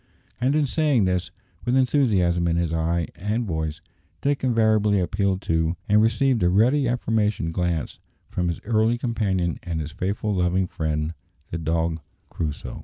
And in saying this, with enthusiasm in his eye and voice, Dick invariably appealed to, and received a ready affirmative glance from, his early companion and his faithful loving friend, the dog Crusoe.